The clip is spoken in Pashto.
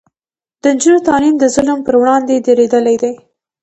د نجونو تعلیم د ظلم پر وړاندې دریدل دي.